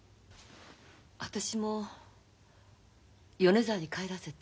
私も米沢に帰らせて。